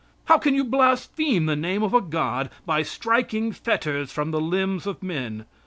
How can you blaspheme the name of a God by striking fetters from the limbs of men?